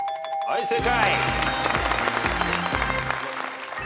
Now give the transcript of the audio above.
はい正解。